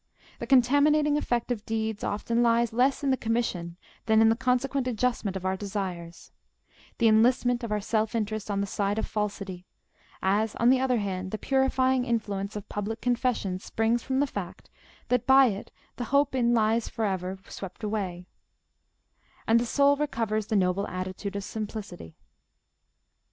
The contaminating effect of deeds often lies less in the commission than in the consequent adjustment of our desires—the enlistment of our self interest on the side of falsity; as, on the other hand, the purifying influence of public confession springs from the fact, that by it the hope in lies is for ever swept away, and the soul recovers the noble attitude of simplicity.